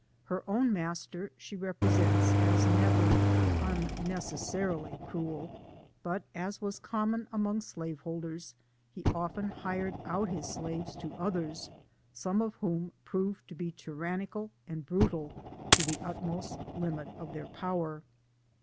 Her own master she represents as never unnecessarily cruel ; but as was common among slaveholders, he often hired out his slaves to others, some of whom proved to be tyrannical and brutal to the utmost limit of their power.